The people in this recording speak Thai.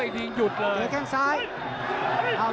โดนท่องโดนท่องมีอาการ